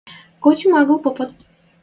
Котим агыл попат!